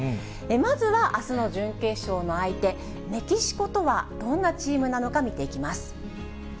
まずは、あすの準決勝の相手、メキシコとはどんなチームなのか、見ていきます。